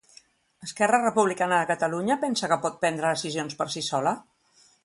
Esquerra Republicana de Catalunya pensa que pot prendre decisions per si sola?